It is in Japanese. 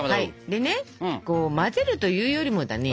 でねこう混ぜるというよりもだね。